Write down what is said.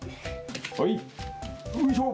はいよいしょ。